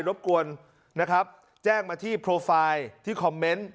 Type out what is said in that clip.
รบกวนนะครับแจ้งมาที่โปรไฟล์ที่คอมเมนต์